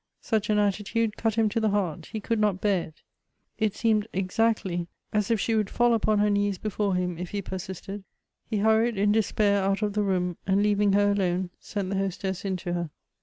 Such an attitude cut him to the heart ; he could not bear it. It seemed exactly as if she would fall upon her knees before him, if he persisted, lie hurried in despair out of the room, and leaving her alone, sent the hostess in to her.